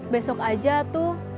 besok aja tuh